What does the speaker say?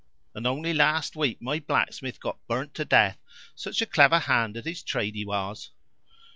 And only last week my blacksmith got burnt to death! Such a clever hand at his trade he was!"